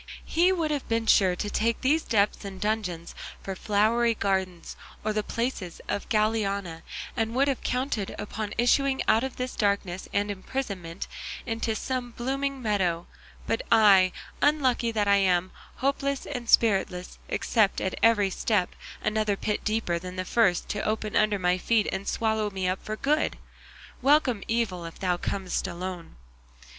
He would have been sure to take these depths and dungeons for flowery gardens or the palaces of Galiana, and would have counted upon issuing out of this darkness and imprisonment into some blooming meadow; but I, unlucky that I am, hopeless and spiritless, expect at every step another pit deeper than the first to open under my feet and swallow me up for good; 'welcome evil, if thou comest alone.